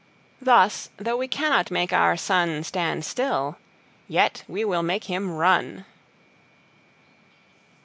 Thus, though we cannot make our SunStand still, yet we will make him run.